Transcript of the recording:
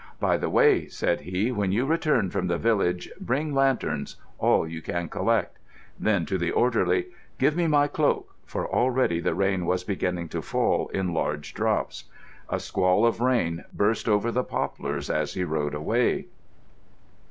"By the way," said he, "when you return from the village bring lanterns—all you can collect"; then to the orderly, "Give me my cloak!" for already the rain was beginning to fall in large drops. A squall of rain burst over the poplars as he rode away.